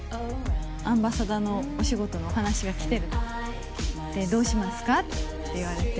アンバサダーのお仕事のお話が来てる、どうしますかって言われて。